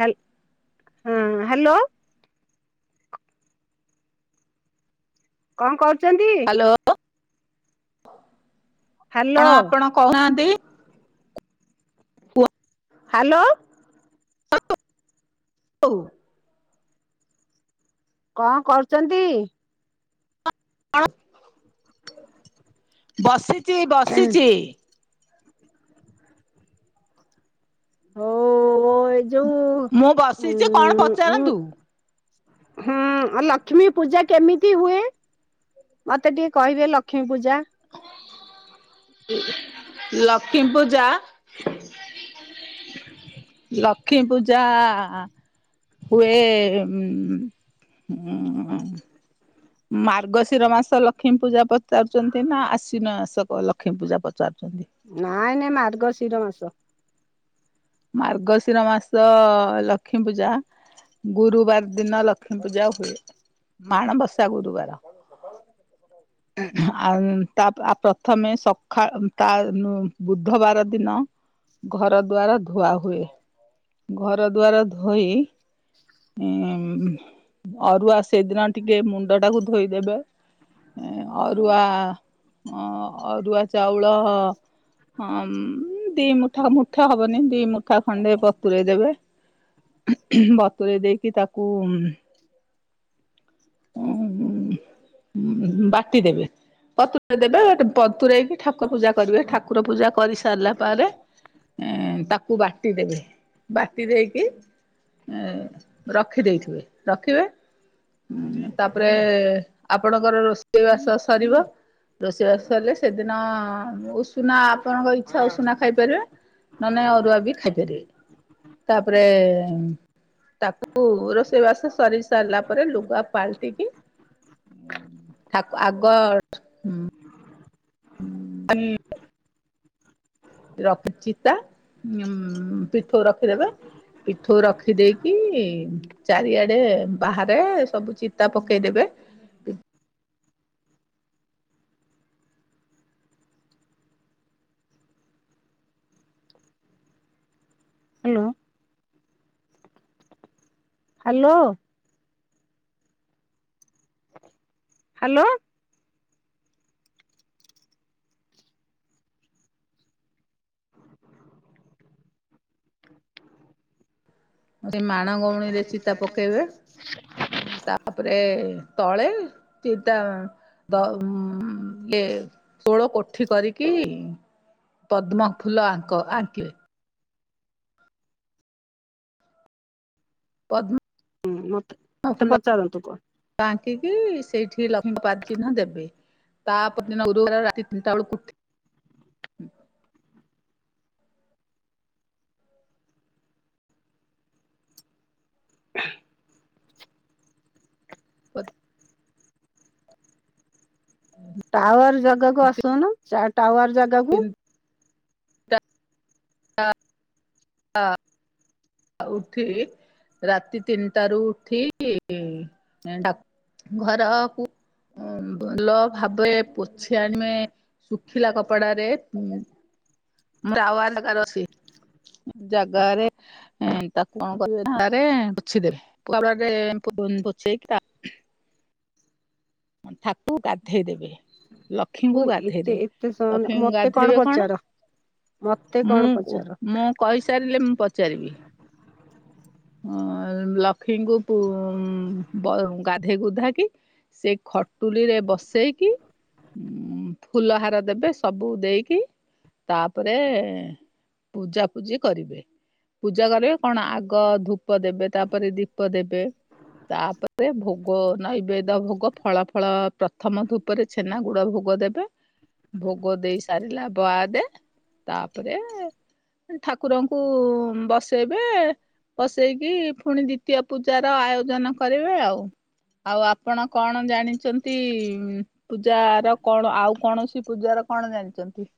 ହାଲ୍ ହଁ ହାଲୋ। କଅଁ କରୁଚନ୍ତି? ହ୍ୟାଲୋ ହ୍ୟାଲୋ କଣ ଆପଣ କୋହୁନାହାନ୍ତି। ହାଲୋ। ହୋଉ। କଅଁ କରୁଛନ୍ତି? କଣ ବସିଚି ବସିଚି। ହୋଉ ଓ ଏଇ ଯୋଉ ମୁଁ ବସିଚି କଣ ଉଁ ପଚାରନ୍ତୁ? ହୁଁ ଆ ଲକ୍ଷ୍ମୀ ପୂଜା କେମିତି ହୁଏ? ମତେ ଟିକେ କହିବେ ଲକ୍ଷ୍ମୀ ପୂଜା ଲକ୍ଷ୍ମୀ ପୂଜା ଲକ୍ଷ୍ମୀ ପୂଜା ହୁଏ ମାର୍ଗଶୀର ମାସ ଲକ୍ଷ୍ମୀ ପୂଜା ପଚାରୁଚନ୍ତି ନା ଆଶ୍ୱିନ ମାସ ଲକ୍ଷ୍ମୀ ପୂଜା ପଚାରୁଚନ୍ତି। ନାଇଁ ନାଇଁ ମାର୍ଗଶୀର ମାସ। ମାର୍ଗଶୀର ମାସ ଲକ୍ଷ୍ମୀ ପୂଜା। ଗୁରୁବାର ଦିନ ଲକ୍ଷ୍ମୀ ପୂଜା ହୁଏ ମାଣବସା ଗୁରୁବାର। [unintelligible] ଆ ଉଁ ତା ଆ ପ୍ରଥମେ ସଖା ତା ଉଁ ଉଁ ବୁଧବାର ଦିନ। ଘର ଦୁଆର ଧୁଆ ହୁଏ ଘର ଦୁଆର ଧୋଇ ଉଁ ହୁଁ ଅରୁଆ ସେଦିନ ଟିକେ ମୁଣ୍ଡଟାକୁ ଧୋଇଦେବେ। ଅରୁଆ ଅ ଅରୁଆ ଚାଉଳ ହଁ ଦିମୁଠା ମୁଠେ ହବନେଇ ଦିମୁଠା ଖଣ୍ଡେ ବତୁରେଇ ଦେବେ। ବତୁରେଇ ଦେଇକି ତାକୁ [inaudible] [inaudible] ହୁଁ ବାଟିଦେବେ। ବତୁରେଇ ଦେବେ ବତୁରେଇଦେଇକି ଠାକୁର ପୂଜା କରିବେ, ଠାକୁର ପୂଜା କରିସାରିଲା ପାରେ। ଓଁ-ଓଁ ତାକୁ ବାଟି ଦେବେ ବାଟି ଦେଇକି। ଓଁ-ଓଁ ରଖିଦେଇଥିବେ ରଖିବେ। ଓଁ -ଓଁ ତାପରେ ଆପଣଙ୍କର ରୋଷେଇବାସ ସରିବ। ରୋଷେଇବାସ ସରିଲେ ସେଦିନ ଉଷୁନା ଆପଣଙ୍କ ଇଚ୍ଛା ଉଷୁନା ଖାଇପାରିବେ। ନନେ ଅରୁଆ ବି ଖାଇପାରିବେ। ତାଆ ପରେ, ତାକୁ ରୋଷେଇବାସ ସରି ସରିଲା ପରେ ଲୁ। ଲୁଗା ପାଲ୍‌ଟିକି ତାକୁ ଆଗ। ଇ ଇ। ଲଷ୍ମୀ ଚିତା ପିଠଉ ରଖିଦେବେ। ପିଠଉ ରଖି ଦେଇେଇକି ଚାରିଆଡେ ବାହାରେ ସବୁ ଚିତା ପକେଇଦେବେ। ଉଦ୍। ହାଲୋ। ହାଲୋଓ। ହାଲୋ। ସେ ମାଣ ଗଉଣୀରେ ଚିତା ପକେଇବେ। ହୁଁ ତାପରେ ତଳେ ଚିତା। ଦ ଉଁ ଉଁ ଇଏ ଷୋଳ କୋଠି କରିକି। ପଦ୍ମ ଫୁଲ ଆଙ୍କ ଆଙ୍କିବେ। ମତେ ପଦ୍ମ ମତେ ଫୁଲ ପଚାରନ୍ତୁ କଣ ଆଙ୍କିକି। ସେଇଠି ଲକ୍ଷ୍ମୀପାଦ ଚିହ୍ନ ଦେବେ ତା ପରଦିନ ଗୁରୁବାର ରାତି ତିନିଟା ବେଳକୁ ଉଠି। [unintelligible] ପତ ଟାୱାର ଜାଗାକୁ ଆସୁନୁ ଟାୱାର ଜାଗାକୁ। ତିନିଟା ହଁ। ଉଠିଲି ରାତି ତିନିଟାରୁ ଉଠିକି ଡା ଘରକୁ ଭଲ ଭାବେ ପୋଛି ଆଣିବେ ଶୁଖିଲା କପଡାରେ ଟାୱାର ଜାଗାରେ ଅଛି ଜାଗାରେ ଏ ତାକୁ କଣ କରିବେ ନା ପଛିଦବେ [unintelligible] ପୋଛେଇକି ତା ଠାକୁ ଗାଧେଇ ଦେବେ। ଲକ୍ଷ୍ମୀଙ୍କୁ ଏତେ ଗାଧେଇଦେ ଏତେ ଲକ୍ଷ୍ମୀଙ୍କୁ ମତେ ଗାଧେଇବେ କଣ? ପଚାର ମତେ କଣ ମୁଁ ପଚାର ମୁଁ କହିସାରିଲେ ମୁଁ ପଚାରିବି। ଅ ଲକ୍ଷ୍ମୀଙ୍କୁ ପୁ ଅ ଗା ଗାଧେଇ ଗୁଧାକି ସେ ଖଟୁଲିରେ ବସେଇକି। ଉ ଫୁଲ ହାର ଦେବେ ସବୁ ଦେଇକି। ତାପରେ ପୂଜା ପୂଜି କରିବେ ପୂଜା କରିବେ। କଣ ଆଗ ଗ ଧୂପ ଦେବେ ତାପରେ ଦୀପ ଦେବେ ତାପରେ ଭୋ ଭୋ ନୈବେଦ୍ୟ ଭୋଗ ଫଳ ଫଳ ପ୍ରଥମ ଧୂପରେ ଛେନା ଗୁଡ ଭୋଗ ଦେବେ। ଭୋଗ ଦେଇ ସାରିଲା ବାଦେ ତାପରେ ଠାକୁରଙ୍କୁ ବସେଇବେ। ବସେଇକି ପୁଣି ଦ୍ଵିତୀୟ ପୂଜାର ଆୟୋଜନ କରିବେ ଆଉ। ଆଉ ଆପଣ କଣ ଜାଣିଛନ୍ତି? ପୂଜାର କଣ ଆଉ କୌଣସି ପୂଜାର। କଣ ଜାଣିଛନ୍ତି?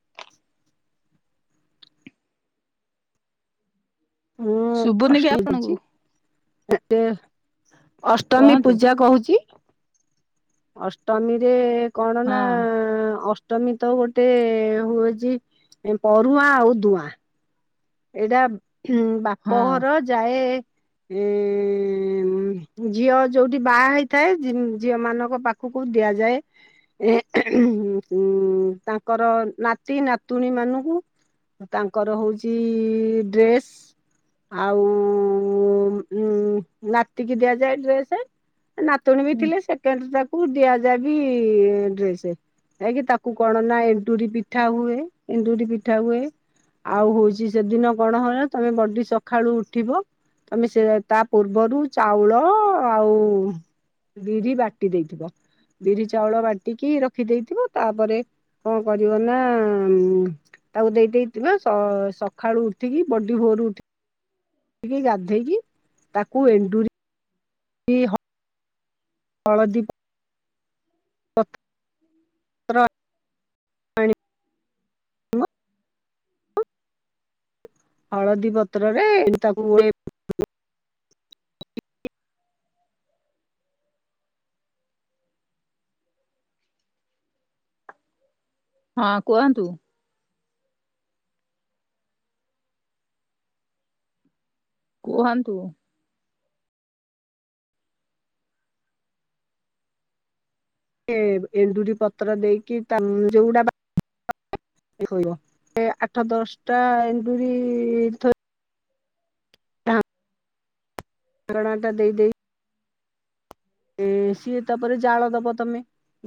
[unintelligible] ମୁଁ ଶୁଭୁନି କି ଆପଣଙ୍କୁ [unintelligible] ଏେ ଅଷ୍ଟମୀ କୁହନ୍ତୁ ପୂଜା କହୁଛି। ଅଷ୍ଟମୀରେ କଣ ନା ହଁ ଅଷ୍ଟ ଅଷ୍ଟମୀ ତ ଗୋଟେ ହୁଏଛି ପରୁହ୍ନା ଉଦୁଆଁ। ଏଇଟା ହଁ ବାପଘର ଯାଏ ଏ ଝିଅ ଯୋଉଠି ବାହା ହେଇଥାଏ ଝିଅ ମାନଙ୍କ ପାଖକୁ ଦିଆଯାଏ। ଏ ଉଁ ତାଙ୍କର ନାତି ନାତୁଣୀ ମାନଙ୍କୁ ତାଙ୍କର ହଉଛି ଉଁ ଡ୍ରେସ୍। ଆଉ ଉ ନାତିକି ଦିଆଯାଏ ଡ୍ରେସ। ନାତୁଣୀ ବି ଥିଲେ ସେକେଣ୍ଡ ତାକୁ ଦିଆଯାଏ ବିି ଡ୍ରେସ। ଆ କି ତାକୁ କଣ ନା ଏଣ୍ଡୁରି ପିଠା ହୁଏ ଏଣ୍ଡୁରି ପିଠା ହୁଏ। ଆଉ ହଉଛି ସେଦିନ କଣ ହଏ ତମେ ବଡି ସକାଳୁ ଉଠିବ। ତମେ ସେ ତା ପୂର୍ବରୁ ଚାଉଳ ଆଉ ବିରି ବାଟି ଦେଇଥିବ। ବିରି ଚାଉଳ ବାଟିକି ରଖିଦେଇଥିବ ତାପରେ କଣ କରିବ ନା ତାକୁ ଦେଇ ଦେଇଥିବା ସ ସ ସଖାଳୁ ଉଠିକି ବଡି ଭୋରୁ ଉଠିକିିକି [inaudible] ଗାଧେଇକି ତାକୁ ଏଣ୍ଡୁରି [unintelligible] ହଳଦୀପ ର ପାଣି ହଳଦୀ ପତ୍ରରେ ତାକୁ ଏ ହଁ କୁହନ୍ତୁ। କୁହନ୍ତୁ। ଏଣ୍ଡୁରି ପତ୍ର ଦେଇକି ତା ଯୋଉଟା କହିବ ଆଠ ଦଶଟା ଏଣ୍ଡୁରି ଥ ଣାଟା ଦେଇ ଦେଇ ଏ ସିଏ ତାପରେ ଜାଳ ଦବ ତମେ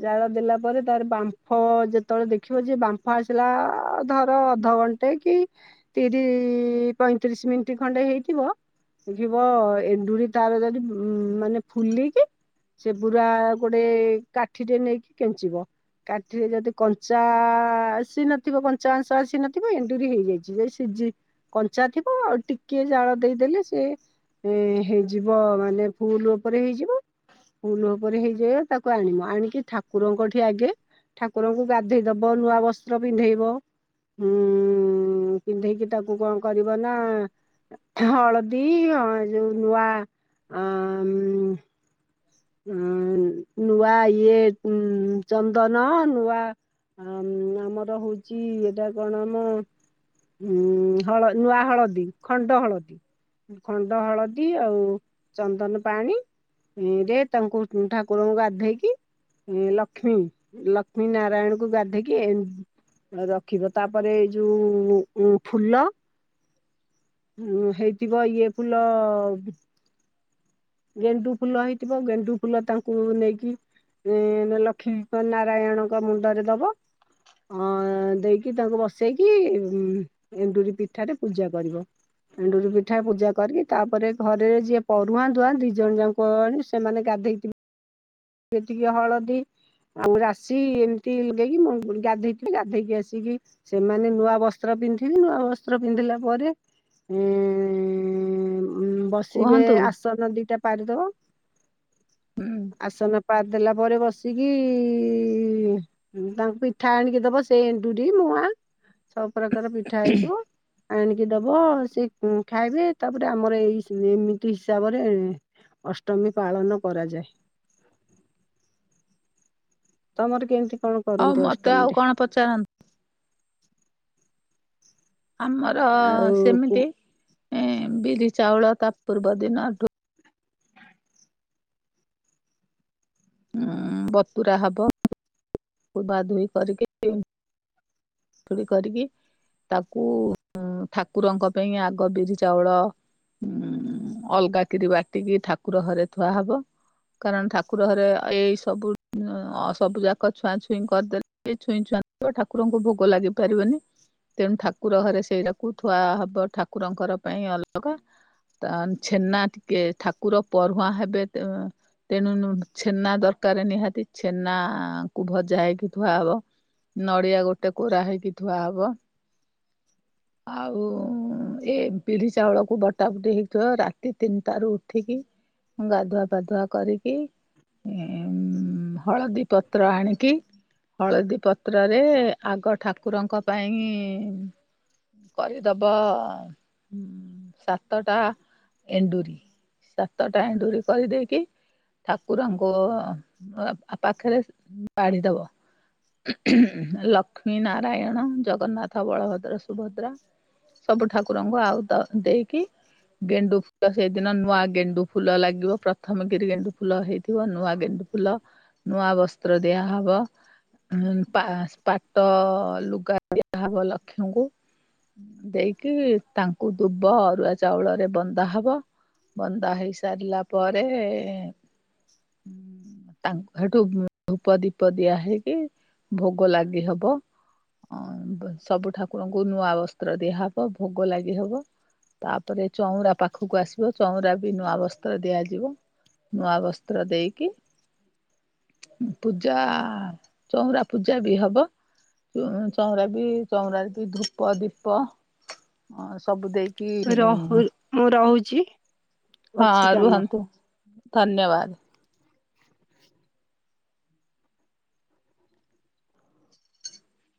ଜାଳ ଦେଲା ପରେ ତାର ବାମ୍ଫ ଯେତେବେଳେ ଦେଖିବ ଯେ ବାମ୍ଫ ଆସିଲା ଧର ଅଧ ଟେ କି ତିରିଶ ପଇଁତିରିଶ ମିନିଟ ଖଣ୍ଡେ ହେଇଥିବ- ଦେଖିବ ଏଣ୍ଡୁରି ତାର ଯଦି ଉ ମାନେ ଫୁଲିକି ସେ ବୁରୁରା ଗୋଟେ କାଠିରେ ନେଇକି କେଞ୍ଚିବ। କାଠିରେ ଯଦି କଞ୍ଚା ଆସିି ନଥିବ କଞ୍ଚା ଅଂଶ ଆସି ନଥିବ ଏଣ୍ଡୁରି ହେଇଯାଇଛି। ଯ ସିଝ କଞ୍ଚା ଥିବ ଆଉ ଟିକେ ଜାଳ ଦେଇଦେଲେ ସେ ଏ ହେଇଯିବ ମାନେ ଫୁଲ ଉପରେ ହେଇଯିବ। ଫୁଲ ଉପରେ ହେଇଯଏ ତାକୁ ଆଣିବ ଆଣିକି ଠାକୁରଙ୍କଠି ଆଗେ ଠାକୁରଙ୍କୁ ଗାଧେଇ ଦବ ନୂଆ ବସ୍ତ୍ର ପିନ୍ଧେଇବ। ହୁଁ ପିନ୍ଧେଇକି ତାକୁ କଣ କରିବ ନା ହଳଦୀ ଅ ଯୋଉ ନୂଆ ଆ ଉଁ ନୂଆ ଇଏ ଚନ୍ଦନ ନୂଆ ଆ ଆମର ହଉଛି ଏଇଟା କଣ ଆମ ହଁ ହଳ ନୂଆ ହଳଦୀ ଖଣ୍ଡ ହଳଦୀ। ଖଣ୍ଡ ହଳଦୀ ଆଉ ଚନ୍ଦନ ପାଣିରେ ତାଙ୍କୁ ଠାକୁରଙ୍କୁ ଗାଧଧେଇକି ଲକ୍ଷ୍ମୀ ଲକ୍ଷ୍ମୀ ନାରାୟଣକୁ ଗାଧେଇକି ରଖିବ ତାପରେ ଏଇ ଯୋଉ ଫୁଲ ହଁ ହେଇଥିବ ଇଏ ଫୁଲ ଗେଣ୍ଡୁ ଫୁଲ ହେଇଥିବ। ଆଉ ଗେଣ୍ଡୁ ଗୁ ଫୁଲ ତାଙ୍କୁ ନେଇକି ଏ ଲକ୍ଷ୍ମୀ ନାରାୟଣଙ୍କ ମୁଣ୍ଡରେ ଦବ। ଅ ଦେଇକି ତାଙ୍କୁ ବସେଇକି ଉ ଏଣ୍ଡୁରି ପିଠାରେ ପୂଜା କରିବ। ଏଣ୍ଡୁରି ପିଠା ପୂଜା କରିକି ତାପରେ ଘରେରେ ଯିଏ ପରରୁହାଁ ଦୁଆ ଦି ଜଣ ଯା କଣି ସେମାନେ ଗାଧେଇଥ ଯେତିକି ହଳଦୀ ଆଉ ରାଶି ଏମିତିଗାଇକି ମୁଁ ଗାଧେଇିବି ଗାଧେଇକି ଆସିକି ସେମାନେ ନୂଆ ବସ୍ତ୍ର। ପିନ୍ଧିବି ନୂଆ ବସ୍ତ୍ର ପିନ୍ଧିଲା ପରେ ଉ ବସିବେ କୁହନ୍ତୁ ଆସନ ଦିଟା ପାରିଦବ। ହୁଁ। ଆସନ ପାରି ଦେଲା ପରେ ବସିକି ତାଙ୍କୁ ପିଠା ଆଣିକି ଦବ ସେଇ ଏଣ୍ଡୁରି ମୁଆଁ ସବୁ ପ୍ରକାର ପିଠା ହେଇଥିବ। ଆଣିକି ଦବ ସେ ଖାଇବେ ତାପରେ ଆମର ଏଇ ଏମିତି ହିସାବରେ ଅଷ୍ଟମୀ ପାଳନ କରାଯାଏ। ତମର କେମିତି କଣ ଆଉ କରନ୍ତି ମତେ ଆଉ ଅଷ୍ଟମୀରେ? କଣ ପଚାରନ୍ତୁ ଆମର ଆଉ ସେମିତି ବିରି ଚାଉଳ ତା ପୂର୍ବ ଦିନ ଢ ବତୁରା ହବ ତାକୁ ଧୁଆ ଧୋଇ କରିକି କରିକି ତାକୁ ଠାକୁରଙ୍କ ପାଇଁ ଆଗ ବିରି ଚାଉଳ ଉ ଅଲଗା କିରି ବାଟିକି ଠାକୁର ଘରେ ଥୁଆ ହବ। କାରଣ ଠାକୁର ଘରେ ଏଇ ସବୁ ସବୁ ଯାକ ଛୁଆଁ ଛୁଇଁ କରିଦେଲେ, ଛୁଇଁ ଛୁଆଁ ଥିବ ଠାକୁରଙ୍କୁ ଭୋଗ ଲାଗି ପାରିବନି। ତେଣୁ ଠାକୁର ଘରେ ସେଇଟାକୁ ଥୁଆ ହବ ଠାକୁରଙ୍କର ପାଇଁ ଅଲଗା। ତ ଛେନା ଟିକେ ଠାକୁର ପରୁହାଁ ହେବେ ତେଣୁ ଛେନା ଦରକାର ନିହାତି, ଛେନା କ ଭଜା ହେଇକି ଥୁଆହବ। ନଡିଆ ଗୋଟେ କୋରା ହେଇକି ଥୁଆ ହବ। ଆଉ ଏ ବିଢି ଚାଉଳକୁ ବଟା ବଟି ହେଇଥିବ, ରାତି ତିନିଟାରୁ ଉଠିକି ଗାଧୁଆ ପାଧୁଆ କରିକି ଉ ହଳଦୀ ପତ୍ର ଆଣିକି ହଳଦୀ ପତ୍ରରେ ଆଗ ଠାକୁରଙ୍କ ପାଇଁ କରିଦବ ସାତଟା ଏଣ୍ଡୁରି। ସାତଟା ଏଣ୍ଡୁରି କରିଦେଇକି ଠାକୁରଙ୍କ ପାଖରେ ବାଢି ଦବ। ଲକ୍ଷ୍ମୀ ନାରାୟଣ, ଜଗନ୍ନାଥ, ବଳଭଦ୍ର, ସୁଭଦ୍ରା। ସବୁ ଠାକୁରଙ୍କୁ ଆଉ ଦେଇକି ଗେଣ୍ଡୁ ଫୁଲ ସେଇଦିନ ନୂଆ ଗେଣ୍ଡୁ ଫୁଲ ଲାଗିବ ପ୍ରଥମ କିିରି ଗେଣ୍ଡୁ ଫୁଲ ହେଇଥିବ ନୂଆ ଗେଣ୍ଡୁ ଫୁଲ ନୂଆ ବସ୍ତ୍ର ଦିଆ ହବ ପା ପା ଟ ଲୁଗା ଦିଆ ହବ ଲକ୍ଷ୍ମୀଙ୍କୁ। ଦେଇକି ତାଙ୍କୁ ଦୁବ ଅରୁଆ ଚାଉଳରେ ବନ୍ଦା ହବ। ବନ୍ଦା ହେଇ ସାରିଲା ପରେ ତାଙ୍କୁ ସେଠୁ ଧୂପ ଦୀପ ଦିଆ ହେଇକି ଭୋଗ ଲାଗି ହବ। ହବ ସବୁ ଠାକୁରଙ୍କୁ ନୂଆ ବସ୍ତ୍ର ଦିଆହବ, ଭୋଗ ଲାଗି ହବ। ତାପରେ ଚଉଁରା ପାଖକୁ ଆସିବ ଚଉଁରା ବି ନୂଆ ବସ୍ତ୍ର ଦିଆଯିବ। ନୂଆ ବସ୍ତ୍ର ଦେଇକି ପୂଜା ଚଉଁରା ପୂଜା ବି ହବ। ଚଉଁରା ବି ଚଉଁରା ବି ଧୂପ ଦୀପ ଅ ସବୁ ଦେଇକି ରହୁଲ ମୁଁ ରହୁଛି। ହଁ ଅଛି କାମ। ରୁହନ୍ତୁ, ଧନ୍ୟବାଦ।